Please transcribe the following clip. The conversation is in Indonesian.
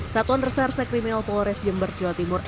satuan reserse kriminal polres jember jawa timur